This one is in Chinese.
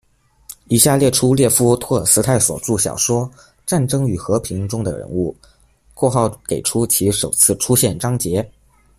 以下列出列夫·托尔斯泰所着小说《战争与和平》中的人物，括号给出其首次出现章节。